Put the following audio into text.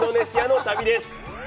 今週もインドネシアの旅です。